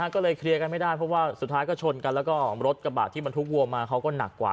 ก็เลยเคลียร์กันไม่ได้เพราะว่าสุดท้ายก็ชนกันแล้วก็รถกระบะที่บรรทุกวัวมาเขาก็หนักกว่า